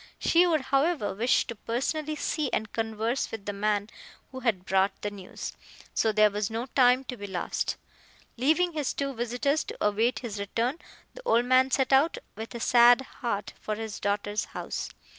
She would, however, wish to personally see and converse with the man who had brought the news, so there was no time to be lost. Leaving his two visitors to await his return, the old man set out with a sad heart for his daughter's house.